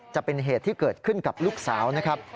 จะเป็นเหตุที่เกิดขึ้นกับลูกสาวนะครับ